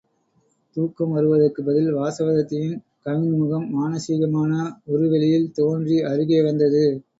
தூக்கம் வருவதற்குப் பதில் வாசவதத்தையின் கவின்முகம் மானசீகமான உரு வெளியில் தோன்றி அருகே வந்தது.